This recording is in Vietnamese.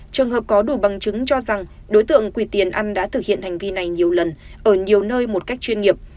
trường hợp có đủ bằng chứng cho rằng đối tượng quỳ tiền ăn đã thực hiện hành vi này nhiều lần ở nhiều nơi một cách chuyên nghiệp